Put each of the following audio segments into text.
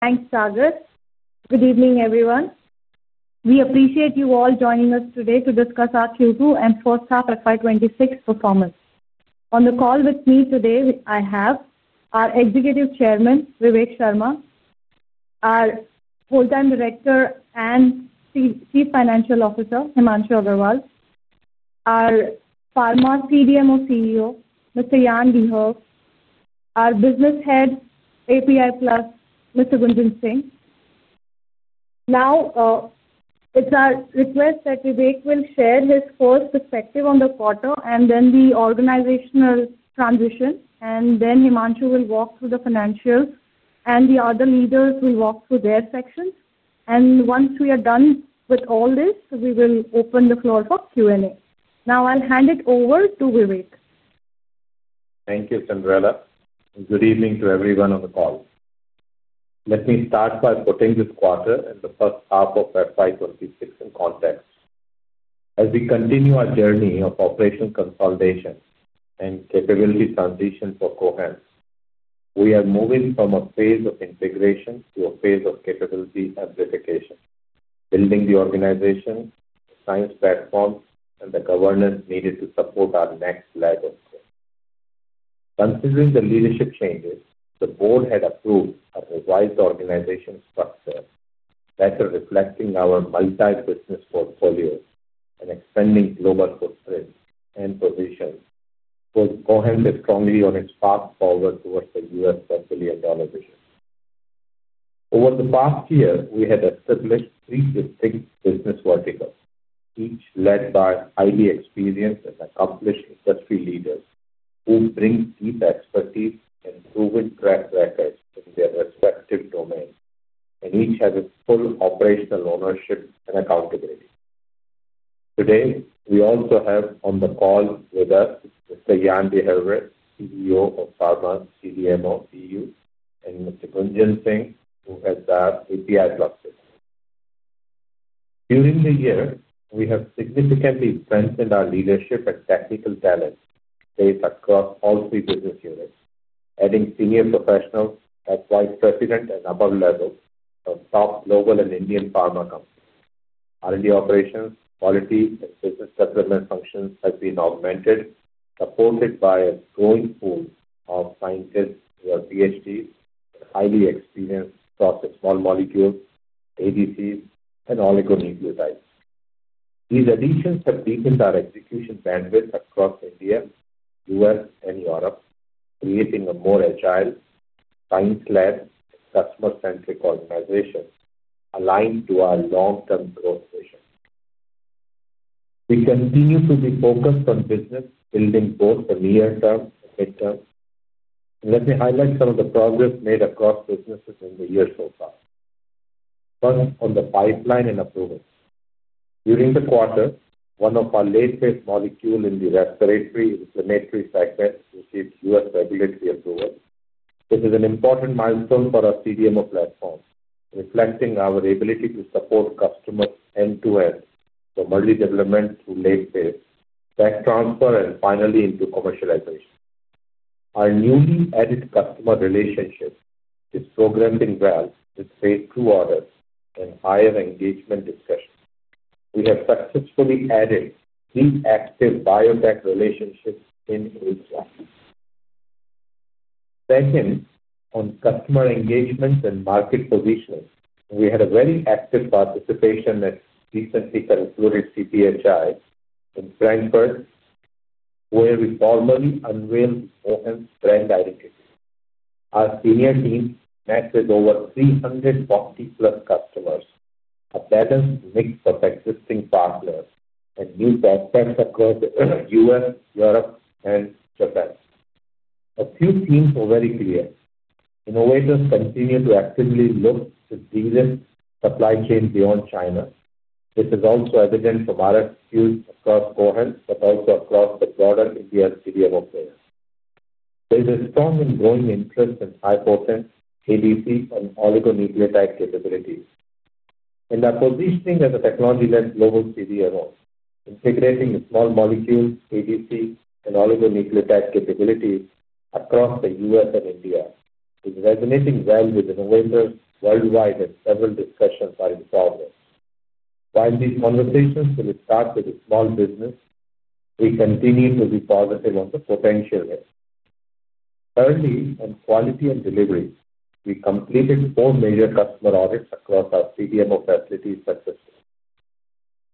Thanks, Sagar. Good evening, everyone. We appreciate you all joining us today to discuss our Q2 and fourth half of 2026 performance. On the call with me today, I have our Executive Chairman, Vivek Sharma, our Full-Time Director and Chief Financial Officer, Himanshu Agarwal, our Pharma CDMO CEO, Mr. Yann D’Herve, our Business Head, API+, Mr. jan Singh. It is our request that Vivek will share his first perspective on the quarter, and then the organizational transition, and then Himanshu will walk through the financials, and the other leaders will walk through their sections. Once we are done with all this, we will open the floor for Q&A. Now, I'll hand it over to Vivek. Thank you, Cyndrella. Good evening to everyone on the call. Let me start by putting this quarter and the first half of 2026 in context. As we continue our journey of operational consolidation and capability transition for Cohance, we are moving from a phase of integration to a phase of capability amplification, building the organization, science platform, and the governance needed to support our next leg of growth. Considering the leadership changes, the board had approved a revised organization structure better reflecting our multi-business portfolio and expanding global footprint and position, with Cohance strongly on its path forward towards the $1 billion vision. Over the past year, we had established three distinct business verticals, each led by experienced and accomplished industry leaders who bring deep expertise and proven track records in their respective domains, and each has full operational ownership and accountability. Today, we also have on the call with us Mr. Yann Lehoe, CEO of Pharma CDMO, and Mr. Gunjan Singh, who has API+ business. During the year, we have significantly strengthened our leadership and technical talent base across all three business units, adding senior professionals at Vice President and above level from top global and Indian pharma companies. R&D operations, quality, and business development functions have been augmented, supported by a growing pool of scientists who are PhDs and highly experienced across small molecules, ADCs, and oligonucleotides. These additions have deepened our execution bandwidth across India, United States, and Europe, creating a more agile, science-led, customer-centric organization aligned to our long-term growth vision. We continue to be focused on business, building both the near-term and mid-term. Let me highlight some of the progress made across businesses in the year so far. First, on the pipeline and approvals. During the quarter, one of our late-phase molecules in the respiratory inflammatory cycle received U.S. regulatory approval, which is an important milestone for our CDMO platform, reflecting our ability to support customers end-to-end for early development through late-phase, bank transfer, and finally into commercialization. Our newly added customer relationship is progressing well with phase two orders and higher engagement discussions. We have successfully added three active biotech relationships in Asia. Second, on customer engagement and market positioning, we had a very active participation at recently concluded CPHI in Frankfurt, where we formally unveiled Cohance's brand identity. Our senior team met with over 340-plus customers, a balanced mix of existing partners and new backups across the U.S., Europe, and Japan. A few themes are very clear. Innovators continue to actively look to deal with supply chains beyond China. This is also evident from our skills across Cohance, but also across the broader India CDMO player. There is a strong and growing interest in high-potent ADC and oligonucleotide capabilities. Our positioning as a technology-led global CDMO, integrating small molecules, ADC, and oligonucleotide capabilities across the U.S. and India, is resonating well with innovators worldwide, and several discussions are in progress. While these conversations will start with small business, we continue to be positive on the potential here. Early in quality and delivery, we completed four major customer audits across our CDMO facilities successfully.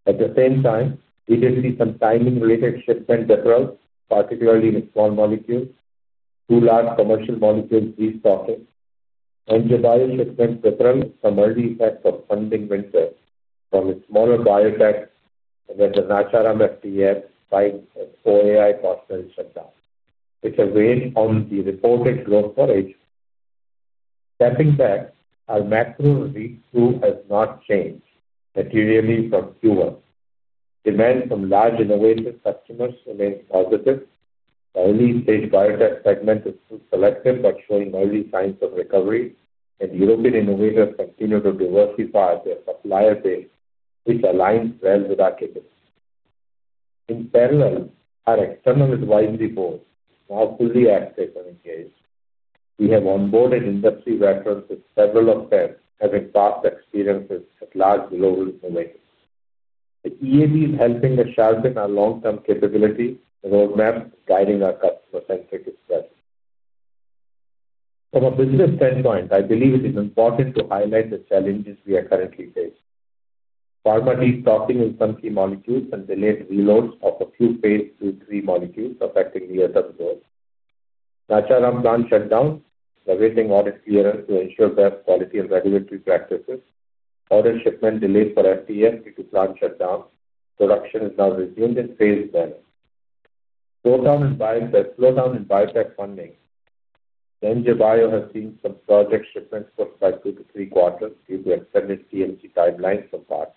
At the same time, we did see some timing-related shipment depravity, particularly in small molecules, two large commercial molecules restocking, and the bio-shipment depravity from early effects of funding winter from smaller biotechs and then the Nacharam FDF by OAI partnership, which are based on the reported growth for age. Stepping back, our macro read-through has not changed materially from Q1. Demand from large innovative customers remains positive. The early-stage biotech segment is still selective but showing early signs of recovery, and European innovators continue to diversify their supplier base, which aligns well with our capabilities. In parallel, our external advisory board is now fully active and engaged. We have onboarded industry veterans with several of them having past experiences at large global innovators. The EAB is helping to sharpen our long-term capability roadmap, guiding our customer-centric strategy. From a business standpoint, I believe it is important to highlight the challenges we are currently facing. Pharma restocking in some key molecules and delayed reloads of a few phase two and three molecules affecting the U.S. and the world. Nacharam plant shutdown, awaiting audit clearance to ensure best quality and regulatory practices. Order shipment delayed for FDF due to plant shutdown. Production is now resumed in phase one. Slowdown in biotech funding. NJ Bio has seen some project shipments pushed by two to three quarters due to extended TMG timelines for parts.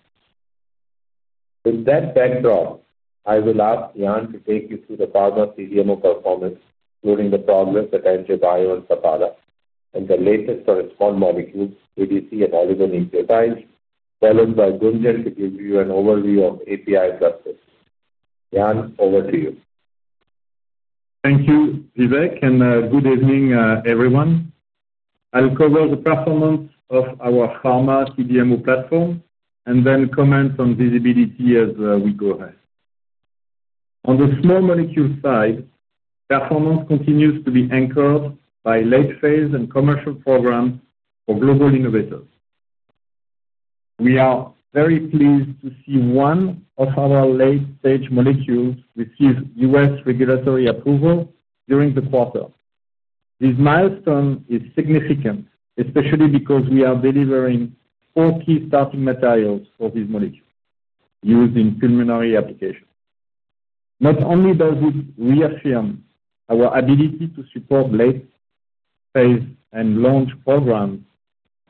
With that backdrop, I will ask Yann to take you through the Pharma CDMO performance, including the progress at NJ Bio and Sabhala and the latest on small molecules, ADC, and oligonucleotides, followed by Gunjan Singh to give you an overview of API+ business. Yann, over to you. Thank you, Vivek, and good evening, everyone. I'll cover the performance of our Pharma CDMO platform and then comment on visibility as we go ahead. On the small molecule side, performance continues to be anchored by late-phase and commercial programs for global innovators. We are very pleased to see one of our late-stage molecules receive U.S. regulatory approval during the quarter. This milestone is significant, especially because we are delivering four key starting materials for these molecules used in pulmonary applications. Not only does it reaffirm our ability to support late-phase and launch programs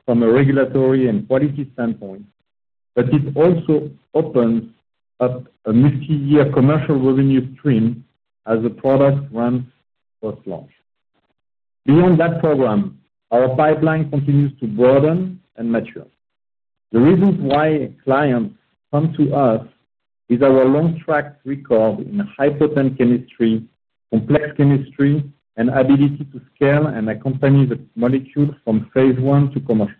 from a regulatory and quality standpoint, but it also opens up a multi-year commercial revenue stream as the product runs post-launch. Beyond that program, our pipeline continues to broaden and mature. The reasons why clients come to us is our long track record in high-potent chemistry, complex chemistry, and ability to scale and accompany the molecule from phase one to commercial.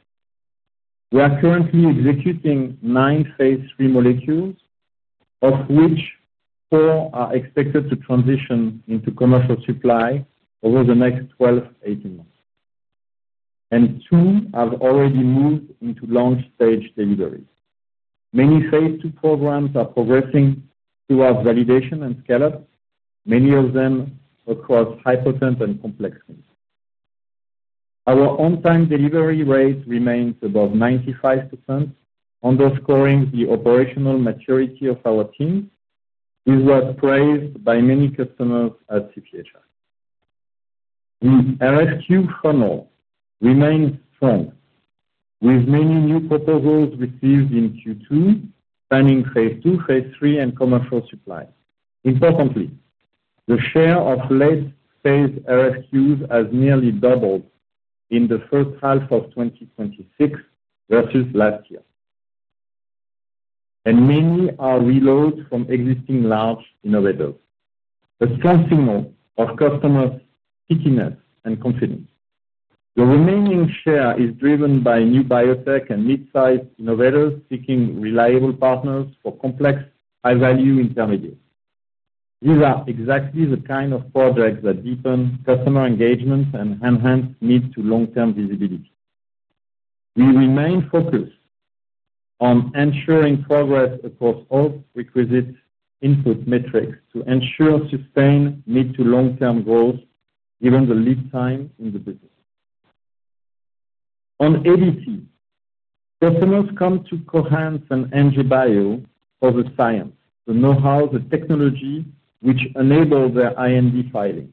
We are currently executing nine phase three molecules, of which four are expected to transition into commercial supply over the next 12-18 months, and two have already moved into launch stage delivery. Many phase two programs are progressing through our validation and scale-up, many of them across high-potent and complex chemistry. Our on-time delivery rate remains above 95%, underscoring the operational maturity of our team, which was praised by many customers at CPHI. The RFQ funnel remains strong, with many new proposals received in Q2, spanning phase two, phase three, and commercial supply. Importantly, the share of late-phase RFQs has nearly doubled in the first half of 2026 versus last year, and many are reloads from existing large innovators, a strong signal of customers' pickiness and confidence. The remaining share is driven by new biotech and mid-size innovators seeking reliable partners for complex high-value intermediates. These are exactly the kind of projects that deepen customer engagement and enhance mid-to-long-term visibility. We remain focused on ensuring progress across all requisite input metrics to ensure sustained mid-to-long-term growth, given the lead time in the business. On ADC, customers come to Cohance and NJ Bio for the science, the know-how, the technology which enables their IND filing.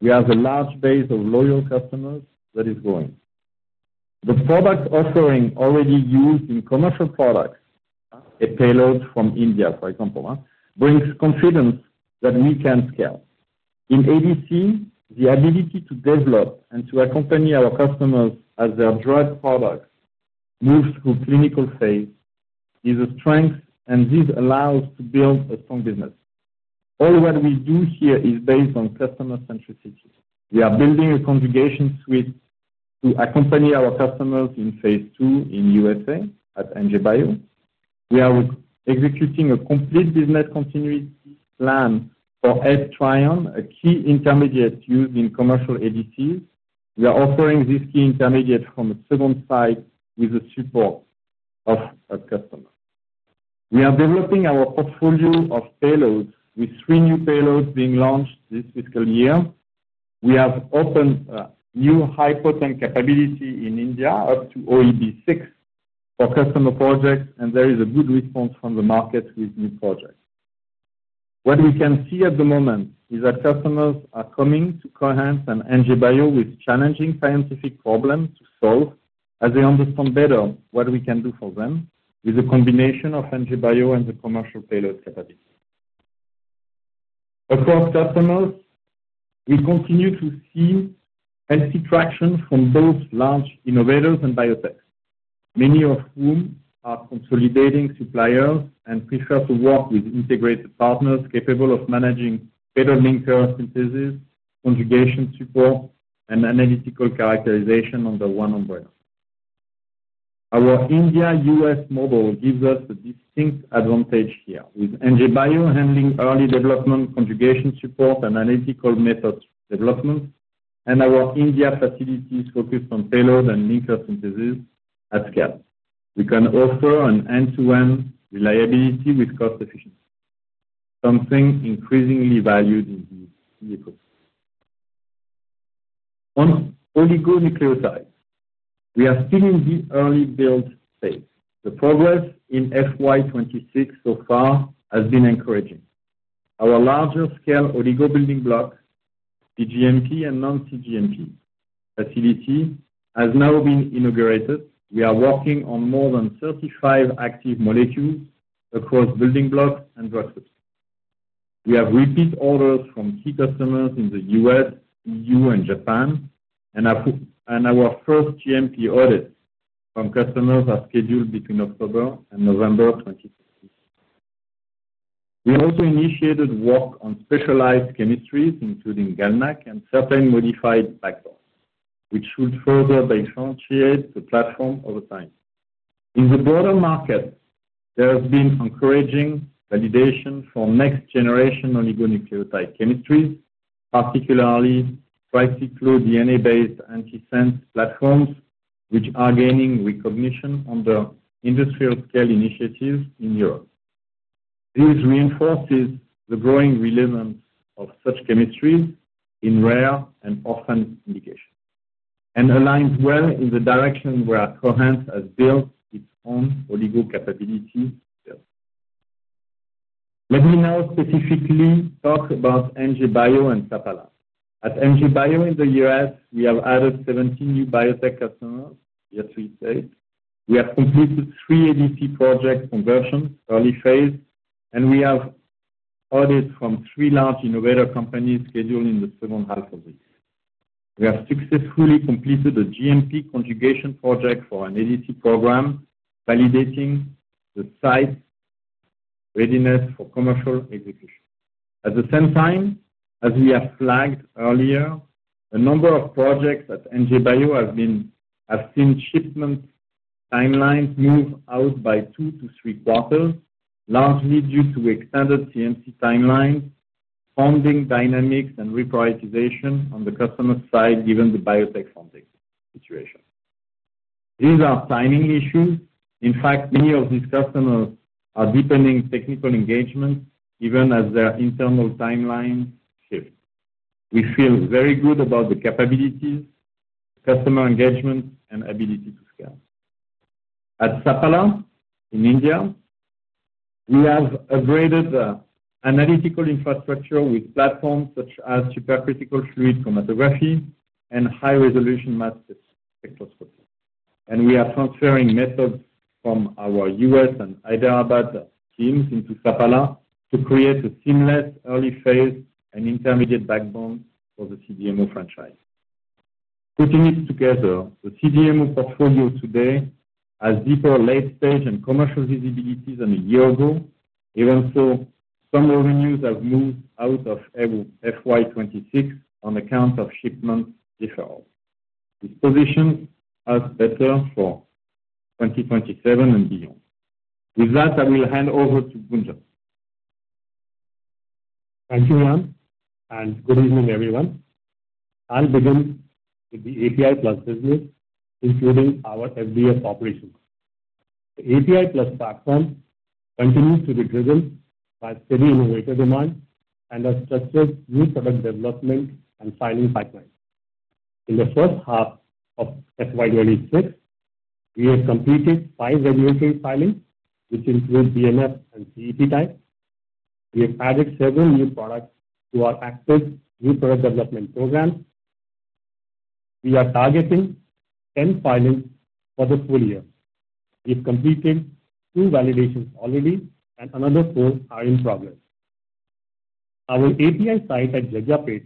We have a large base of loyal customers that is growing. The product offering already used in commercial products, a payload from India, for example, brings confidence that we can scale. In ADC, the ability to develop and to accompany our customers as their drug products move through clinical phase is a strength, and this allows us to build a strong business. All that we do here is based on customer-centricity. We are building a conjugation suite to accompany our customers in phase two in the United States at NJ Bio. We are executing a complete business continuity plan for EdTrion, a key intermediate used in commercial ADCs. We are offering this key intermediate from a second site with the support of our customers. We are developing our portfolio of payloads, with three new payloads being launched this fiscal year. We have opened new high-potent capability in India up to OEB 6 for customer projects, and there is a good response from the market with new projects. What we can see at the moment is that customers are coming to Cohance and NJ Bio with challenging scientific problems to solve as they understand better what we can do for them with a combination of NJ Bio and the commercial payload capability. Across customers, we continue to see healthy traction from both large innovators and biotech, many of whom are consolidating suppliers and prefer to work with integrated partners capable of managing better linker synthesis, conjugation support, and analytical characterization under one umbrella. Our India-U.S. model gives us a distinct advantage here, with NJ Bio handling early development, conjugation support, and analytical methods development, and our India facilities focused on payload and linker synthesis at scale. We can offer an end-to-end reliability with cost efficiency, something increasingly valued in the ecosystem. On oligonucleotides, we are still in the early build phase. The progress in FY 2026 so far has been encouraging. Our larger scale oligonucleotide building block, CGMP and non-CGMP facility, has now been inaugurated. We are working on more than 35 active molecules across building blocks and drugs. We have repeat orders from key customers in the U.S., EU, and Japan, and our first GMP audits from customers are scheduled between October and November 2026. We also initiated work on specialized chemistries, including GalNAc and certain modified backbones, which should further differentiate the platform over time. In the broader market, there has been encouraging validation for next-generation oligonucleotide chemistries, particularly tricyclo DNA-based antisense platforms, which are gaining recognition under industrial scale initiatives in Europe. This reinforces the growing relevance of such chemistries in rare and orphan indications and aligns well in the direction where Cohance has built its own oligo capability build. Let me now specifically talk about NJ Bio and Sabhala. At NJ Bio in the U.S., we have added 17 new biotech customers as of yesterday's date. We have completed three ADC project conversions, early phase, and we have audits from three large innovator companies scheduled in the second half of this. We have successfully completed a GMP conjugation project for an ADC program, validating the site readiness for commercial execution. At the same time, as we have flagged earlier, a number of projects at NJ Bio have seen shipment timelines move out by two to three quarters, largely due to extended CMC timelines, funding dynamics, and reprioritization on the customer side given the biotech funding situation. These are timing issues. In fact, many of these customers are deepening technical engagement, even as their internal timelines shift. We feel very good about the capabilities, customer engagement, and ability to scale. At Sabhala in India, we have upgraded the analytical infrastructure with platforms such as supercritical fluid chromatography and high-resolution mass spectroscopy. We are transferring methods from our U.S. and Hyderabad teams into Sabhala to create a seamless early phase and intermediate backbone for the CDMO franchise. Putting it together, the CDMO portfolio today has deeper late-stage and commercial visibilities than a year ago, even though some revenues have moved out of FY 2026 on account of shipment deferral. This position is better for 2027 and beyond. With that, I will hand over to. Thank you, Yann, and good evening, everyone. I'll begin with the API+ business, including our FDF operations. The API+ platform continues to be driven by steady innovator demand and a structured new product development and filing pipeline. In the first half of FY2026, we have completed five regulatory filings, which include BMF and CEP types. We have added seven new products to our active new product development program. We are targeting 10 filings for the full year. We have completed two validations already, and another four are in progress. Our API site at Jajjapet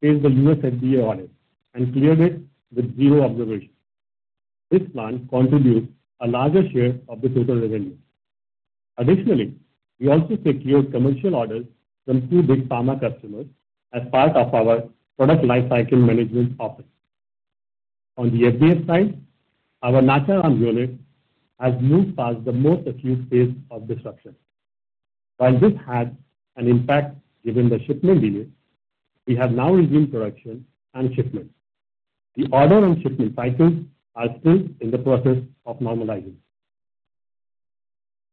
faced the USFDA audit and cleared it with zero observations. This plant contributes a larger share of the total revenue. Additionally, we also secured commercial orders from two big pharma customers as part of our product lifecycle management office. On the FDF side, our Nacharam unit has moved past the most acute phase of disruption. While this had an impact given the shipment delay, we have now resumed production and shipment. The order and shipment cycles are still in the process of normalizing.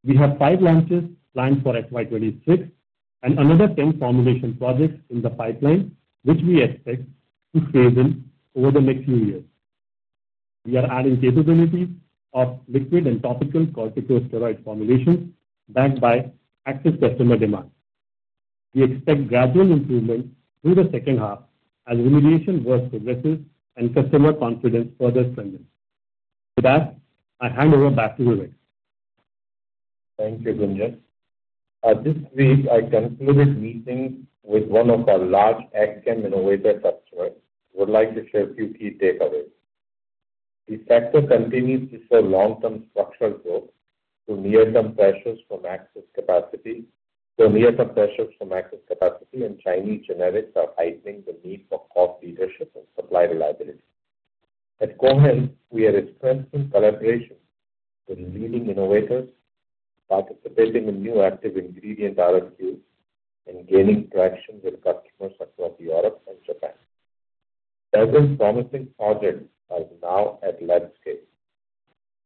We have five launches planned for FY 2026 and another 10 formulation projects in the pipeline, which we expect to phase in over the next few years. We are adding capabilities of liquid and topical corticosteroid formulations backed by active customer demand. We expect gradual improvement through the second half as remediation work progresses and customer confidence further strengthens. With that, I hand over back to Vivek. Thank you, Gunjan. This week, I concluded meetings with one of our large ADC innovator customers. I would like to share a few key takeaways. The sector continues to show long-term structural growth through near-term pressures from excess capacity. Near-term pressures from excess capacity and Chinese generics are heightening the need for cost leadership and supply reliability. At Cohance, we are strengthening collaboration with leading innovators, participating in new active ingredient RFQs, and gaining traction with customers across Europe and Japan. Seven promising projects are now at landscape.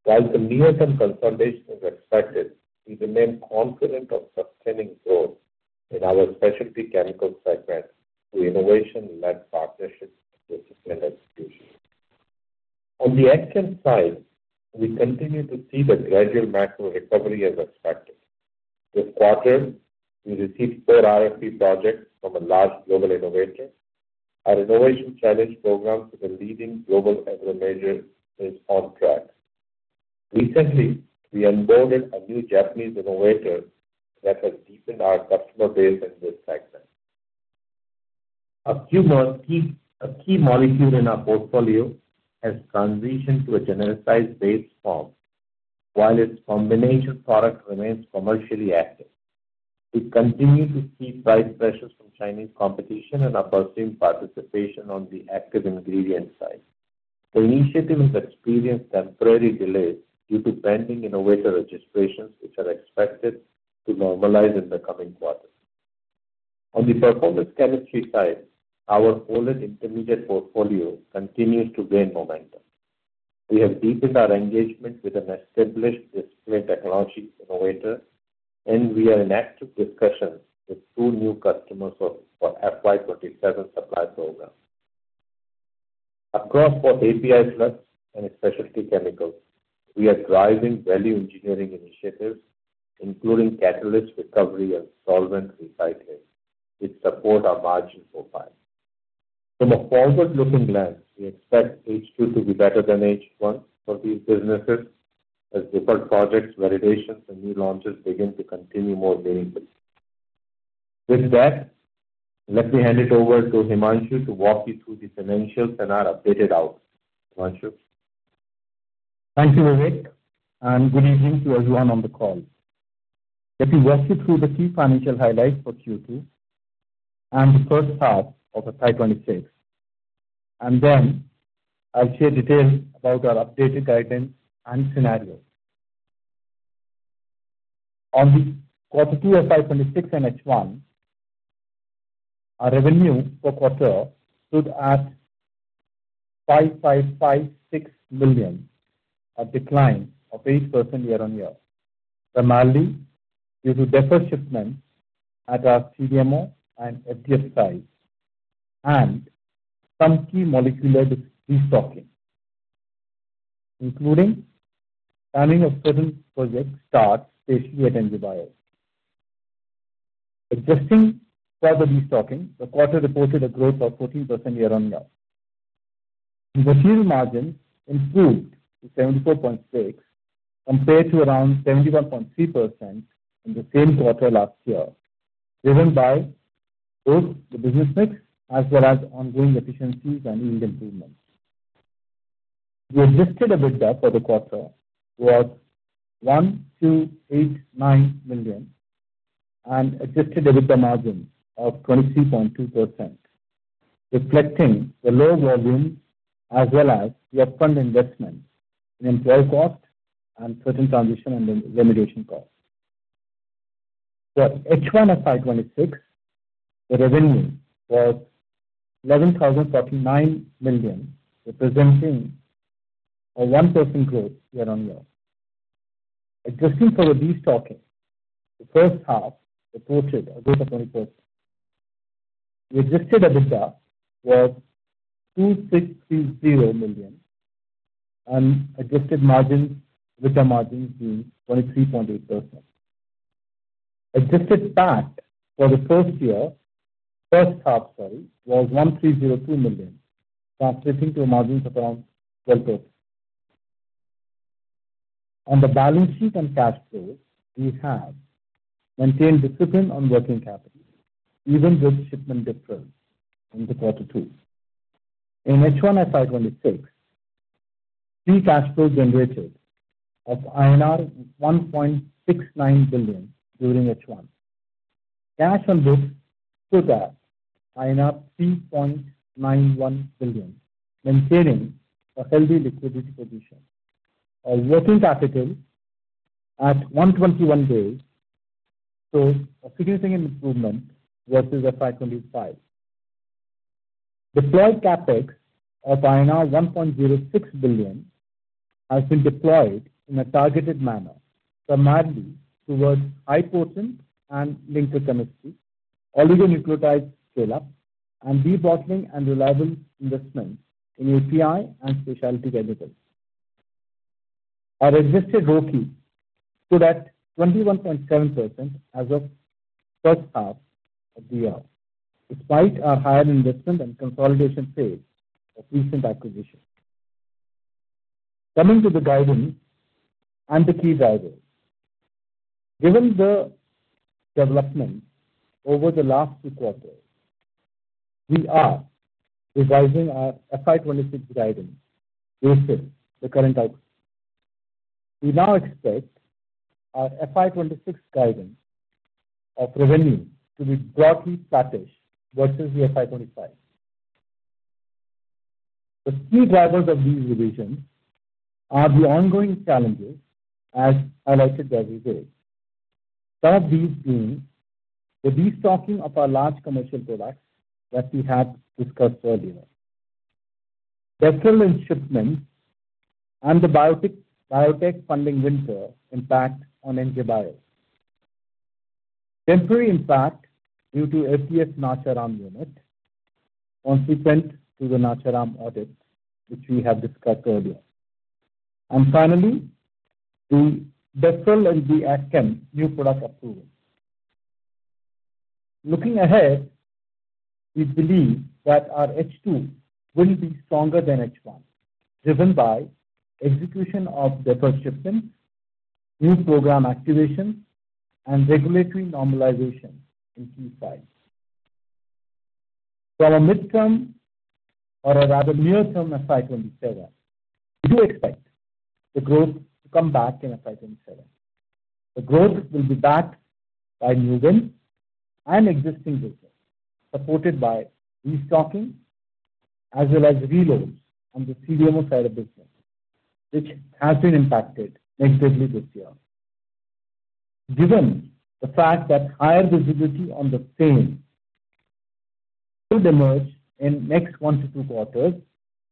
While near-term consolidation is expected, we remain confident of sustaining growth in our specialty chemicals segment through innovation-led partnerships with different institutions. On the ADC side, we continue to see the gradual macro recovery as expected. This quarter, we received four RFQ projects from a large global innovator. Our innovation challenge program to the leading global agro major is on track. Recently, we onboarded a new Japanese innovator that has deepened our customer base in this segment. A few more key molecules in our portfolio have transitioned to a genericized phase form, while its combination product remains commercially active. We continue to see price pressures from Chinese competition and are pursuing participation on the active ingredient side. The initiative has experienced temporary delays due to pending innovator registrations, which are expected to normalize in the coming quarter. On the performance chemistry side, our folded intermediate portfolio continues to gain momentum. We have deepened our engagement with an established discipline technology innovator, and we are in active discussions with two new customers for the FY 2027 supply program. Across both API+ and specialty chemicals, we are driving value engineering initiatives, including catalyst recovery and solvent recycling, which support our margin profile. From a forward-looking lens, we expect H2 to be better than H1 for these businesses as different projects, validations, and new launches begin to continue more meaningfully. With that, let me hand it over to Himanshu to walk you through the financials and our updated outlook. Himanshu. Thank you, Vivek, and good evening to everyone on the call. Let me walk you through the key financial highlights for Q2 and the first half of FY2026, and then I'll share details about our updated guidance and scenarios. On the quarter two of FY2026 and H1, our revenue per quarter stood at 5,556 million, a decline of 8% year-on-year, primarily due to deferred shipments at our CDMO and FDF sites and some key molecular restocking, including timing of certain project starts especially at NJ Bio. Adjusting for the restocking, the quarter reported a growth of 14% year-on-year. The material margins improved to 74.6% compared to around 71.3% in the same quarter last year, driven by both the business mix as well as ongoing efficiencies and yield improvements. We adjusted EBITDA for the quarter to 1,289 million and adjusted EBITDA margin of 23.2%, reflecting the low volume as well as the upfront investment in employee cost and certain transition and remediation costs. For H1 of FY 2026, the revenue was 11,049 million, representing a 1% growth year-on-year. Adjusting for the restocking, the first half reported a growth of 20%. The adjusted EBITDA was 2,630 million, and adjusted margins, EBITDA margins being 23.8%. Adjusted PAT for the first year, first half, sorry, was 1,302 million, translating to a margin of around 12%. On the balance sheet and cash flows, we have maintained discipline on working capital, even with shipment deferrals in the quarter two. In H1 of FY 2026, free cash flow generated of INR 1.69 billion during H1. Cash on goods stood at INR 3.91 billion, maintaining a healthy liquidity position. Our working capital at 121 days shows a significant improvement versus FY 2025. Deployed CapEx of INR 1.06 billion has been deployed in a targeted manner, primarily towards high potent and linker chemistry, oligonucleotide scale-up, and debottlenecking and reliable investment in API and specialty chemicals. Our adjusted ROCI stood at 21.7% as of first half of the year, despite our higher investment and consolidation phase of recent acquisitions. Coming to the guidance and the key drivers. Given the development over the last two quarters, we are revising our FY 2026 guidance based on the current outcome. We now expect our FY 2026 guidance of revenue to be broadly flattish versus the FY 2025. The key drivers of these revisions are the ongoing challenges, as highlighted the other days, some of these being the restocking of our large commercial products that we have discussed earlier, petroleum shipments, and the biotech funding winter impact on NJ Bio. Temporary impact due to FDF Nacharam unit consequent to the Nacharam audit, which we have discussed earlier. Finally, the deferral and the AGCEM new product approvals. Looking ahead, we believe that our H2 will be stronger than H1, driven by execution of deferred shipments, new program activations, and regulatory normalization in key sites. From a midterm or a rather near-term FY 2027, we do expect the growth to come back in FY 2027. The growth will be backed by new wins and existing business supported by restocking as well as reloads on the CDMO side of business, which has been impacted negatively this year. Given the fact that higher visibility on the same could emerge in the next one to two quarters,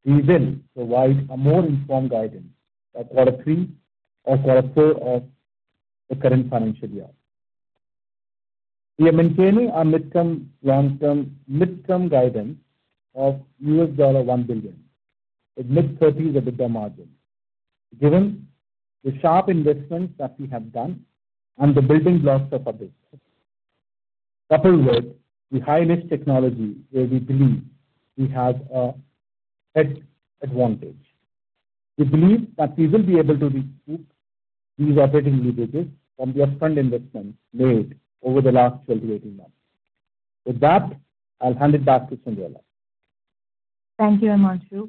we will provide a more informed guidance by quarter three or quarter four of the current financial year. We are maintaining our midterm long-term guidance of $1 billion with mid-30% EBITDA margin, given the sharp investments that we have done and the building blocks of our business. Coupled with the high-risk technology, where we believe we have a head advantage. We believe that we will be able to recoup these operating leverages from the upfront investments made over the last 12 to 18 months. With that, I'll hand it back to Cyndrella. Thank you, Himanshu.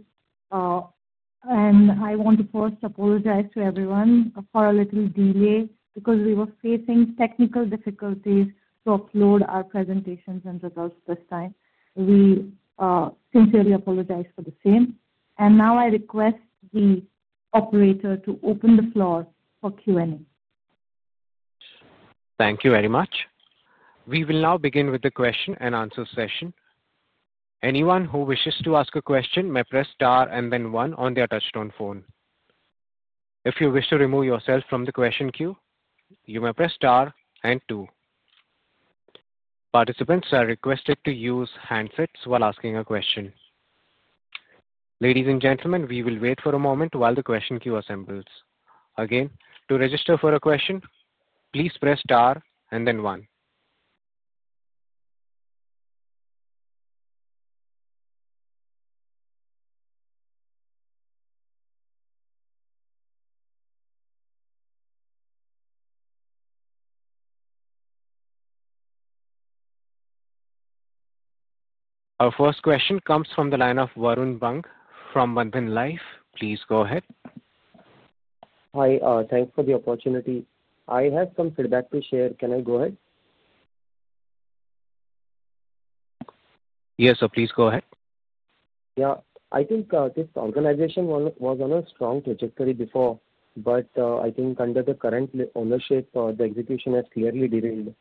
I want to first apologize to everyone for a little delay because we were facing technical difficulties to upload our presentations and results this time. We sincerely apologize for the same. I now request the operator to open the floor for Q&A. Thank you very much. We will now begin with the question and answer session. Anyone who wishes to ask a question may press star and then one on their touchstone phone. If you wish to remove yourself from the question queue, you may press star and two. Participants are requested to use handsets while asking a question. Ladies and gentlemen, we will wait for a moment while the question queue assembles. Again, to register for a question, please press star and then one. Our first question comes from the line of Varun Bank from One Up Life. Please go ahead. Hi, thanks for the opportunity. I have some feedback to share. Can I go ahead? Yes, sir, please go ahead. Yeah, I think this organization was on a strong trajectory before, but I think under the current ownership, the execution has clearly derailed.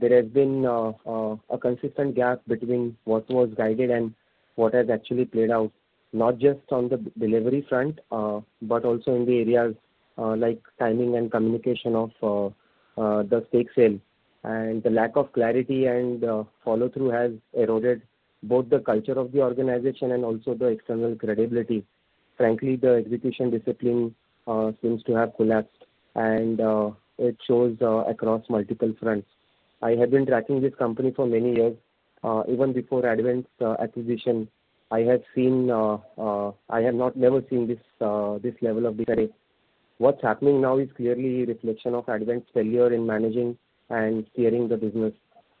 There has been a consistent gap between what was guided and what has actually played out, not just on the delivery front, but also in areas like timing and communication of the stake sale. The lack of clarity and follow-through has eroded both the culture of the organization and also the external credibility. Frankly, the execution discipline seems to have collapsed, and it shows across multiple fronts. I have been tracking this company for many years. Even before Advent's acquisition, I have never seen this level of decay. What's happening now is clearly a reflection of Advent's failure in managing and steering the business.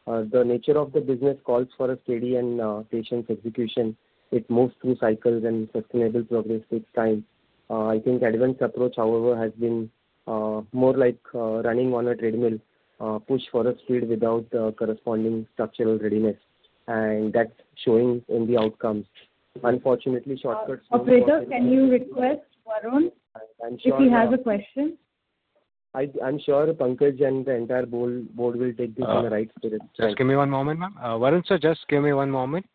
The nature of the business calls for a steady and patient execution. It moves through cycles, and sustainable progress takes time. I think Advent's approach, however, has been more like running on a treadmill, push for a speed without corresponding structural readiness. That is showing in the outcomes. Unfortunately, shortcuts will— Operator, can you request Varun? I'm sure. If he has a question. I'm sure Pankaj and the entire board will take this in the right spirit. Just give me one moment, ma'am. Varun, sir, just give me one moment.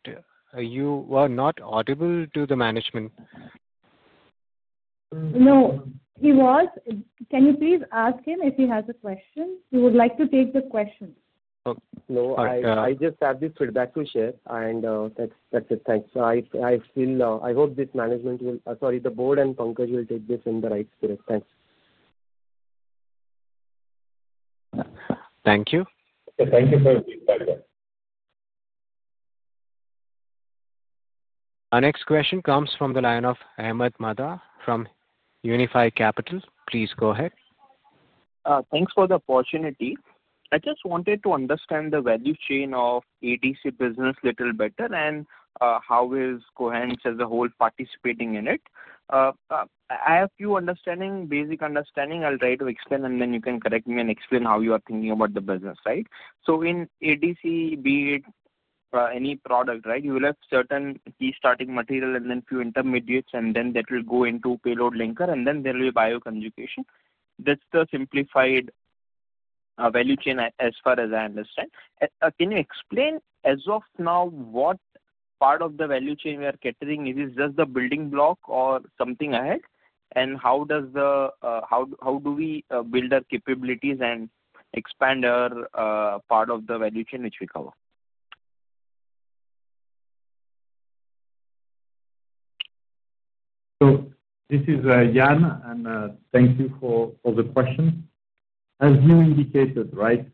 You were not audible to the management. No, he was. Can you please ask him if he has a question? He would like to take the question. No, I just have this feedback to share, and that's it. Thanks. I hope this management will—sorry, the board and Pankaj will take this in the right spirit. Thanks. Thank you. Thank you for your feedback, sir. Our next question comes from the line of Ahmed Mada from Unified Capital. Please go ahead. Thanks for the opportunity. I just wanted to understand the value chain of ADC business a little better and how is Cohance as a whole participating in it. I have a few basic understandings. I'll try to explain, and then you can correct me and explain how you are thinking about the business, right? In ADC, be it any product, right, you will have certain key starting material and then a few intermediates, and then that will go into payload linker, and then there will be bioconjugation. That's the simplified value chain as far as I understand. Can you explain as of now what part of the value chain we are catering? Is it just the building block or something ahead? How do we build our capabilities and expand our part of the value chain which we cover? This is Yann, and thank you for the question. As you indicated, right,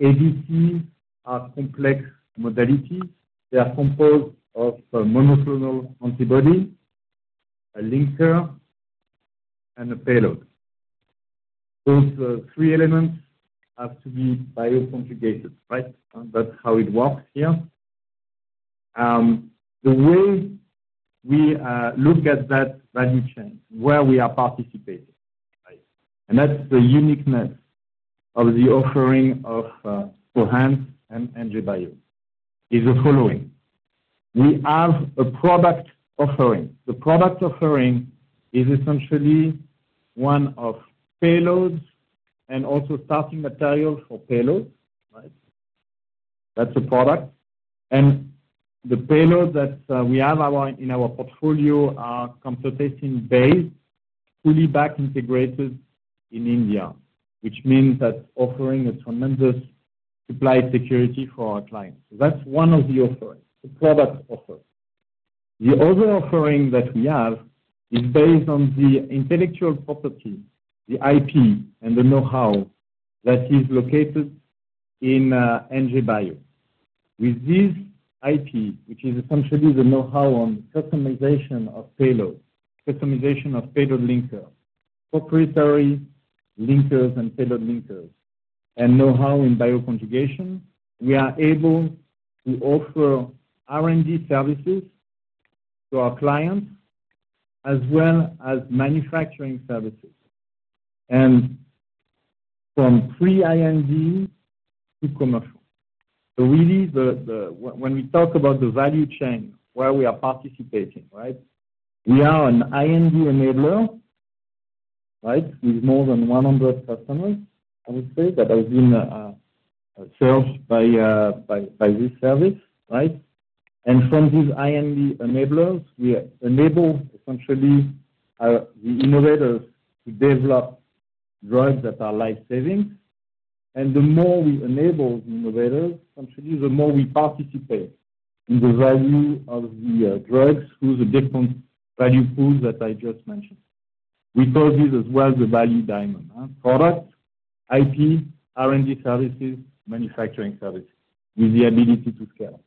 ADCs are complex modalities. They are composed of monoclonal antibody, a linker, and a payload. Those three elements have to be bioconjugated, right? That's how it works here. The way we look at that value chain, where we are participating, right, and that's the uniqueness of the offering of Cohance and NJ Bio is the following. We have a product offering. The product offering is essentially one of payloads and also starting material for payloads, right? That's a product. And the payloads that we have in our portfolio are computation-based, fully back-integrated in India, which means that's offering a tremendous supply security for our clients. That's one of the offerings, the product offer. The other offering that we have is based on the intellectual property, the IP, and the know-how that is located in NJ Bio. With this IP, which is essentially the know-how on customization of payloads, customization of payload linkers, proprietary linkers and payload linkers, and know-how in bioconjugation, we are able to offer R&D services to our clients as well as manufacturing services. From pre-IND to commercial. Really, when we talk about the value chain, where we are participating, right, we are an IND enabler, right, with more than 100 customers, I would say, that have been served by this service, right? From these IND enablers, we enable essentially the innovators to develop drugs that are life-saving. The more we enable the innovators, essentially, the more we participate in the value of the drugs through the different value pools that I just mentioned. We call this as well the value diamond: product, IP, R&D services, manufacturing services with the ability to scale.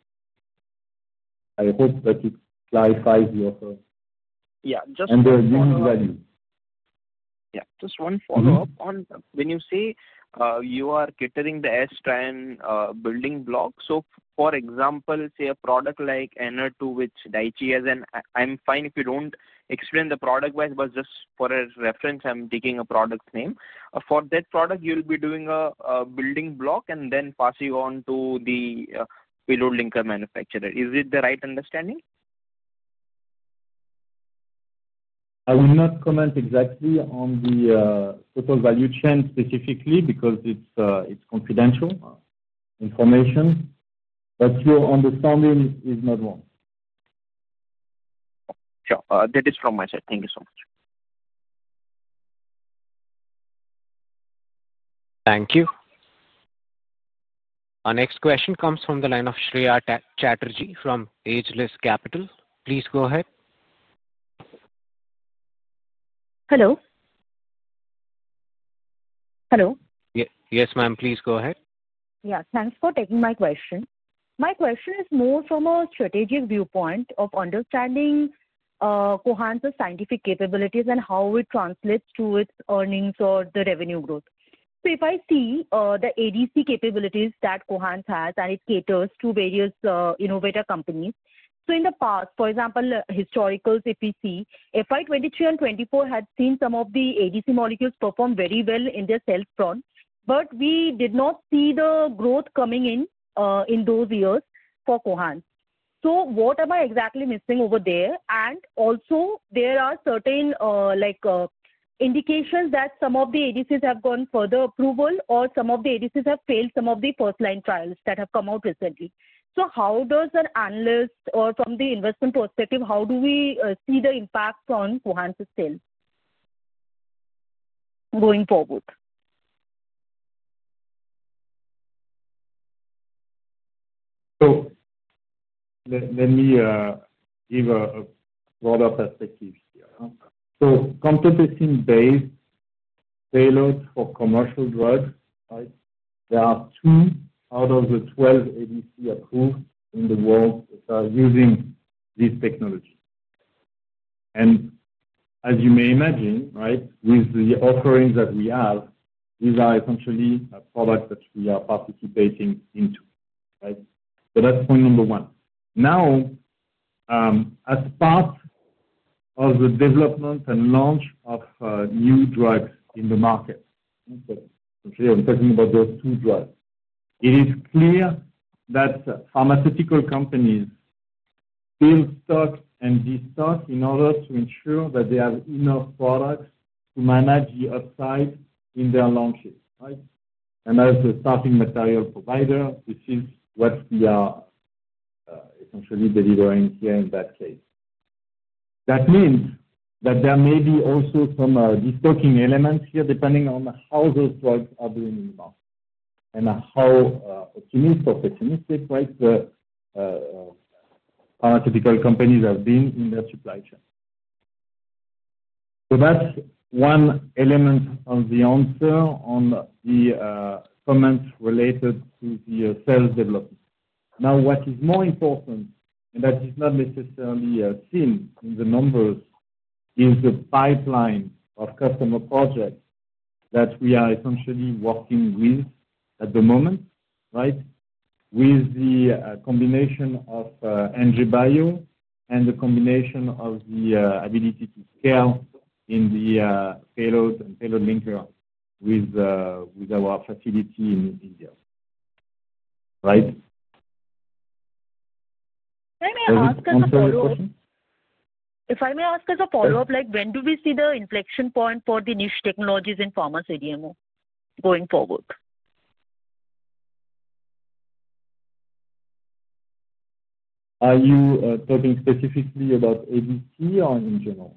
I hope that it clarifies the offer. Yeah, just one. The unique value. Yeah, just one follow-up on. When you say you are catering the S-trend building blocks, so for example, say a product like NR2, which Daiichi has an—I'm fine if you don't explain the product wise, but just for a reference, I'm taking a product name. For that product, you'll be doing a building block and then passing on to the payload linker manufacturer. Is it the right understanding? I will not comment exactly on the total value chain specifically because it is confidential information. Your understanding is not wrong. Sure. That is from my side. Thank you so much. Thank you. Our next question comes from the line of Shreya Chatterjee from Ageless Capital. Please go ahead. Hello. Yes, ma'am, please go ahead. Yeah, thanks for taking my question. My question is more from a strategic viewpoint of understanding Cohance's scientific capabilities and how it translates to its earnings or the revenue growth. If I see the ADC capabilities that Cohance has and it caters to various innovator companies. In the past, for example, historicals if we see, 2023 and 2024 had seen some of the ADC molecules perform very well in their sales front, but we did not see the growth coming in in those years for Cohance. What am I exactly missing over there? Also, there are certain indications that some of the ADCs have gone further approval or some of the ADCs have failed some of the first-line trials that have come out recently. How does an analyst or from the investment perspective, how do we see the impact on Cohance's sales going forward? Let me give a broader perspective here. Computation-based payloads for commercial drugs, right, there are two out of the 12 ADC approved in the world that are using this technology. As you may imagine, with the offerings that we have, these are essentially products that we are participating into, right? That's point number one. Now, as part of the development and launch of new drugs in the market, essentially I'm talking about those two drugs, it is clear that pharmaceutical companies build stock and destock in order to ensure that they have enough products to manage the upside in their launches, right? As the starting material provider, this is what we are essentially delivering here in that case. That means that there may be also some destocking elements here depending on how those drugs are doing in the market and how optimistic or pessimistic, right, the pharmaceutical companies have been in their supply chain. That is one element of the answer on the comments related to the sales development. Now, what is more important, and that is not necessarily seen in the numbers, is the pipeline of customer projects that we are essentially working with at the moment, right, with the combination of NJ Bio and the combination of the ability to scale in the payload and payload linker with our facility in India, right? May I ask one question? If I may ask as a follow-up, when do we see the inflection point for the niche technologies in pharmaceuticals going forward? Are you talking specifically about ADC or in general?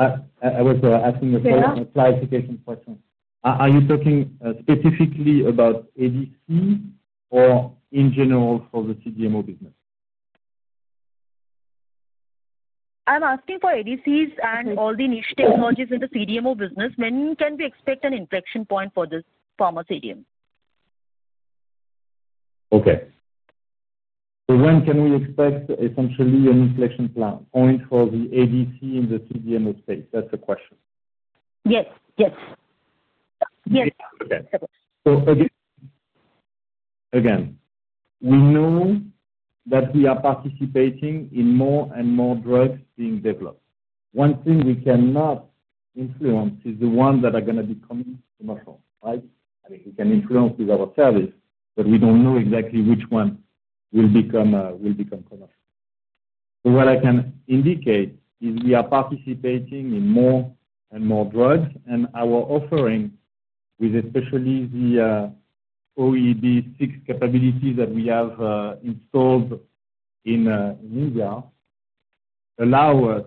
I was asking a clarification question. Are you talking specifically about ADC or in general for the CDMO business? I'm asking for ADCs and all the niche technologies in the CDMO business. When can we expect an inflection point for this pharmaceutical? Okay. When can we expect essentially an inflection point for the ADC in the CDMO space? That's the question. Yes. Okay. So again, we know that we are participating in more and more drugs being developed. One thing we cannot influence is the ones that are going to be coming commercial, right? I mean, we can influence with our service, but we do not know exactly which one will become commercial. What I can indicate is we are participating in more and more drugs, and our offering, with especially the OEB 6 capabilities that we have installed in India, allows us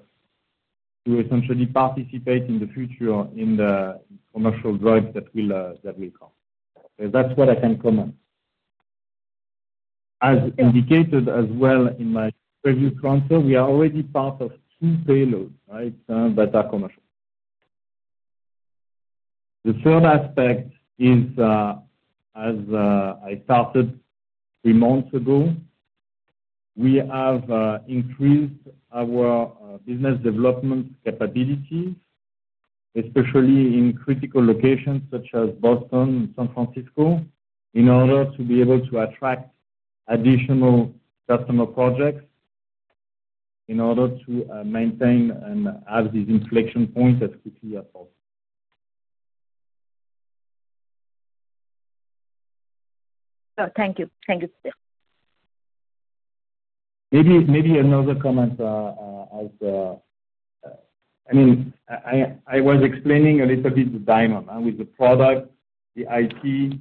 to essentially participate in the future in the commercial drugs that will come. That is what I can comment. As indicated as well in my previous answer, we are already part of two payloads, right, that are commercial. The third aspect is, as I started three months ago, we have increased our business development capabilities, especially in critical locations such as Boston and San Francisco, in order to be able to attract additional customer projects in order to maintain and have these inflection points as quickly as possible. Thank you. Thank you. Maybe another comment as I mean, I was explaining a little bit the diamond with the product, the IP,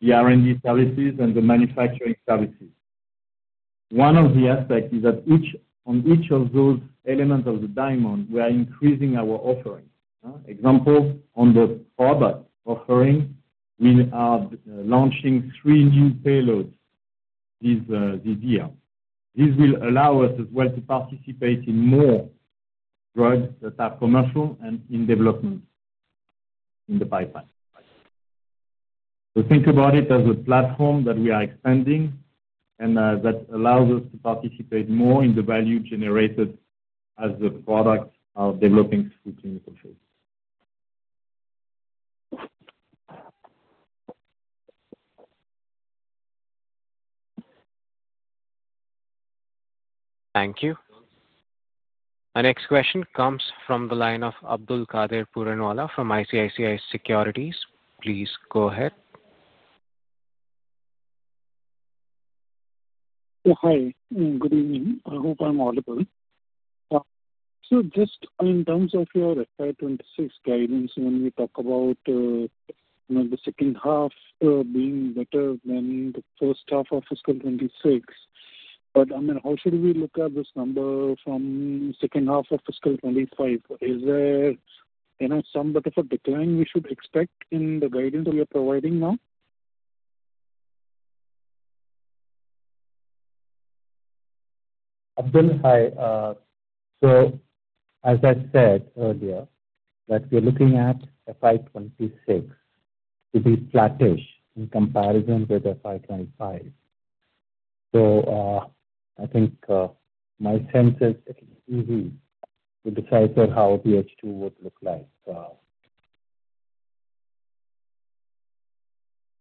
the R&D services, and the manufacturing services. One of the aspects is that on each of those elements of the diamond, we are increasing our offering. Example, on the product offering, we are launching three new payloads this year. This will allow us as well to participate in more drugs that are commercial and in development in the pipeline. Think about it as a platform that we are expanding and that allows us to participate more in the value generated as the products are developing through clinical phase. Thank you. Our next question comes from the line of Abdul Qadir Puranwala from ICICI Securities. Please go ahead. Hi. Good evening. I hope I'm audible. Just in terms of your FY 2026 guidance, when we talk about the second half being better than the first half of fiscal 2026, I mean, how should we look at this number from the second half of fiscal 2025? Is there some bit of a decline we should expect in the guidance we are providing now? Hi. As I said earlier, that we're looking at FY 2026 to be flattish in comparison with FY 2025. I think my sense is it's easy to decipher how the H2 would look like.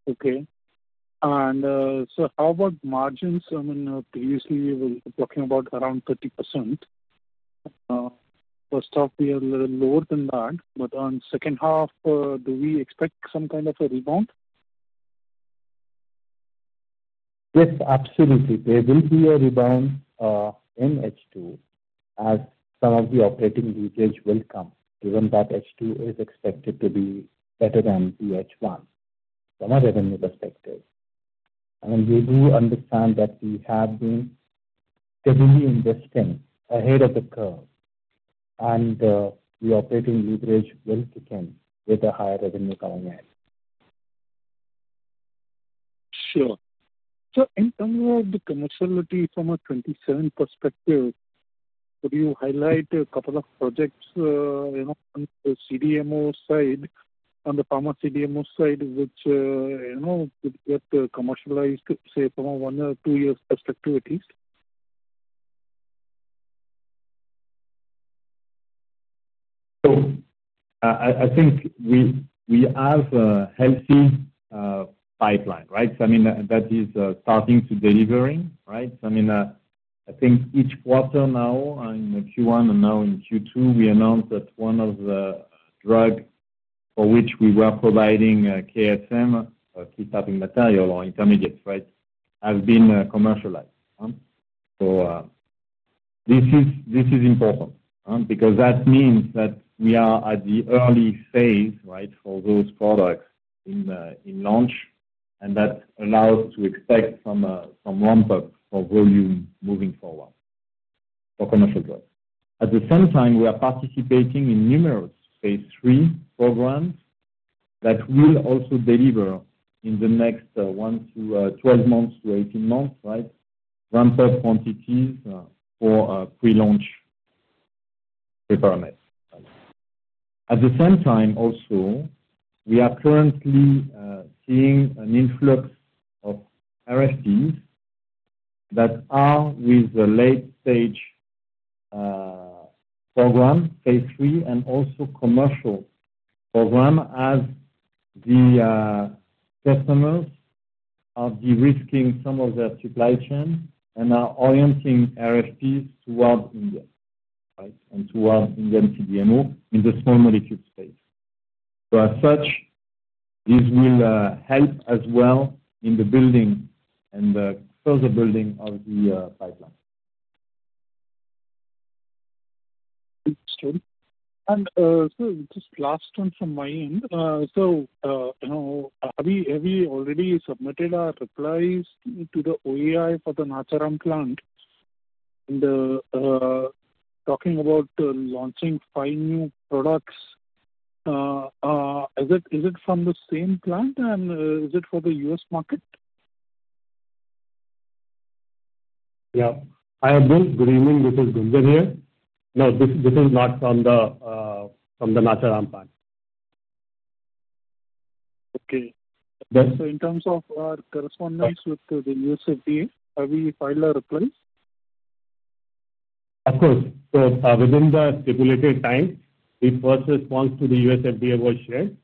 Okay. And how about margins? I mean, previously, we were talking about around 30%. First off, we are a little lower than that, but on second half, do we expect some kind of a rebound? Yes, absolutely. There will be a rebound in H2 as some of the operating usage will come given that H2 is expected to be better than the H1 from a revenue perspective. We do understand that we have been steadily investing ahead of the curve, and the operating leverage will kick in with the higher revenue coming in. Sure. In terms of the commerciality from a 2027 perspective, could you highlight a couple of projects on the CDMO side, on the pharma CDMO side, which could get commercialized, say, from a one- or two-year perspective at least? I think we have a healthy pipeline, right? I mean, that is starting to delivering, right? I mean, I think each quarter now in Q1 and now in Q2, we announced that one of the drugs for which we were providing KSM, key starting material or intermediates, right, has been commercialized. This is important because that means that we are at the early phase, right, for those products in launch, and that allows us to expect some ramp-up for volume moving forward for commercial drugs. At the same time, we are participating in numerous phase three programs that will also deliver in the next 1-12 months to 18 months, right, ramp-up quantities for pre-launch requirements. At the same time, also, we are currently seeing an influx of RFPs that are with the late-stage program, phase three, and also commercial program as the customers are de-risking some of their supply chain and are orienting RFPs towards India, right, and towards Indian CDMO in the small molecule space. As such, this will help as well in the building and further building of the pipeline. Understood. Just last one from my end. Have we already submitted our replies to the OEB for the Nacharam plant? Talking about launching five new products, is it from the same plant and is it for the U.S. market? Yeah. Hi, Abdul. Good evening. This is Gunjan here. No, this is not from the Nacharam plant. Okay. So in terms of our correspondence with the USFDA, have we filed our replies? Of course. Within the stipulated time, the first response to the USFDA was shared.